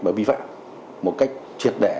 và vi phạm một cách truyệt đẻ